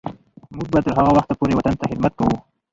موږ به تر هغه وخته پورې وطن ته خدمت کوو.